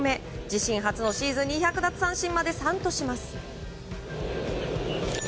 自身初のシーズン２００奪三振まで３とします。